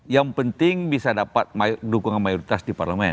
yang penting bisa dapat dukungan mayoritas di parlemen